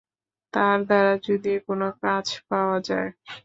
তাঁর দ্বারা যদি কোনো কাজ পাওয়া যায়।